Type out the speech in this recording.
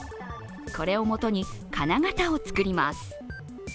これをもとに金型を作ります。